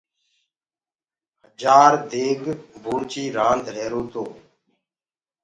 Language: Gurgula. هجآر ديگ بورچي رآند هيرو تو